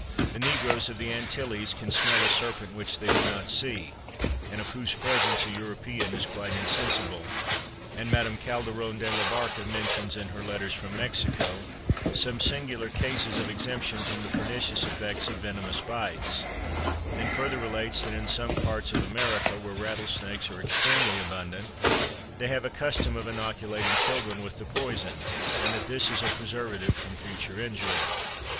The negroes of the Antilles can smell a serpent which they do not see, and of whose presence a European is quite insensible; and Madame Calderon de la Barca mentions, in her letters from Mexico, some singular cases of exemption from the pernicious effects of venomous bites; and further relates, that in some parts of America, where rattlesnakes are extremely abundant, they have a custom of innoculating children with the poison, and that this is a preservative from future injury.